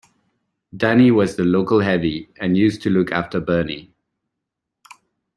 Danny was the local heavy and used to look after Bernie.